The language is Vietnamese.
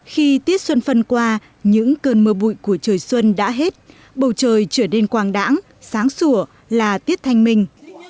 khi tiết xuân phân qua những cơn mưa bụi của trời xuân đã hết bầu trời trở nên quang đẳng sáng sủa là tiết thanh minh